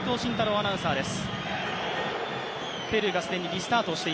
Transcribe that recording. アナウンサーです。